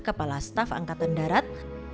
kepala staf angkatan darat